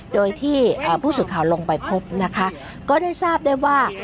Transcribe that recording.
โดยที่ผู้สื่อข่าวลงไปพบนะคะก็ได้ทราบได้ว่า